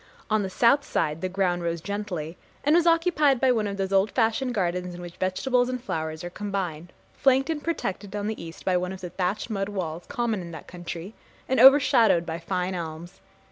On the south side the ground rose gently, and was occupied by one of those old fashioned gardens in which vegetables and flowers are combined, flanked and protected on the east by one of the thatched mud walls common in that country, and overshadowed by fine elms.